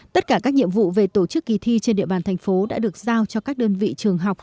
tất cả các nhiệm vụ về tổ chức kỳ thi trên địa bàn thành phố đã được giao cho các đơn vị trường học